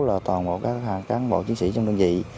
là toàn bộ các cán bộ chiến sĩ trong đơn vị